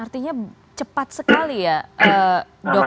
artinya cepat sekali ya dok